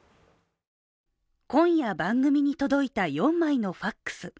今夜番組に届いた４枚のファックス。